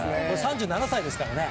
３７歳ですからね。